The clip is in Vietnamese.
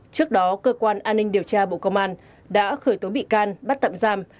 trước đó cơ quan an ninh điều tra bộ công an đã khởi tố bị can bắt tạm giam